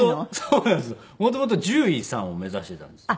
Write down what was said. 元々獣医さんを目指していたんです。